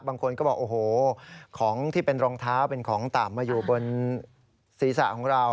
บางคนก็บอกโอ้โหของที่เป็นรองเท้าเป็นของต่ำมาอยู่บนศีรษะของเรา